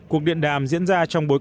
cuộc điện đàm diễn ra trong quốc gia